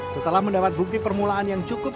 setelah mendapat bukti permulaan yang cukup